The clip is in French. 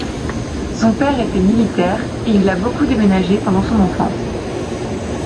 Son père était militaire et il a beaucoup déménagé pendant son enfance.